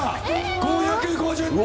５５０点。